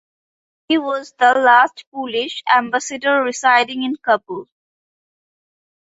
He was the last Polish ambassador residing in Kabul.